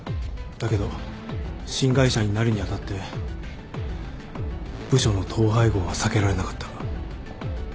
だけど新会社になるに当たって部署の統廃合は避けられなかった。